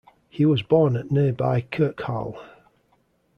He was born at nearby Kirkharle.